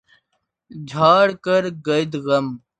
جھاڑ کر گرد غم